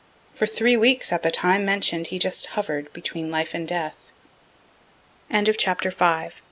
For three weeks at the time mention'd he just hovered between life and death. BOYS IN THE ARMY